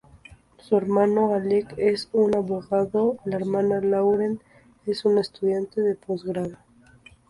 Su hermano, Alec, es un abogado, la hermana, Lauren, es una estudiante de posgrado.